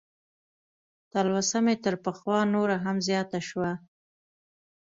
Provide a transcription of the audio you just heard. تلوسه مې تر پخوا نوره هم زیاته شوه.